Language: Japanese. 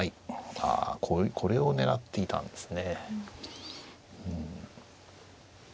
ああこれを狙っていたんですね。